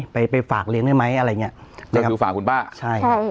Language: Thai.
ไปไปฝากเลี้ยงได้ไหมอะไรอย่างเงี้ยก็คือฝากคุณป้าใช่ใช่